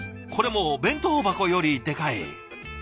これもう弁当箱よりでかい。